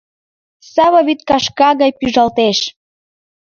Сава вӱдкашка гай пӱжалтеш.